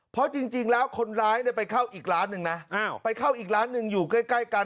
เพราะจริงแล้วคนร้ายเนี่ยไปเข้าอีกร้านหนึ่งนะไปเข้าอีกร้านหนึ่งอยู่ใกล้กัน